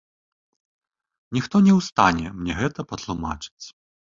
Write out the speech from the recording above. Ніхто не ў стане мне гэта патлумачыць.